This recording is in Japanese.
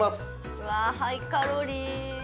うわハイカロリー！